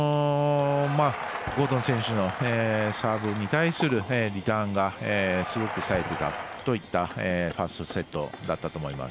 ゴードン選手のサーブに対するリターンがすごくさえてたといったファーストセットだったと思います。